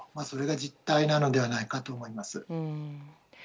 それが実態なのではないかと思います。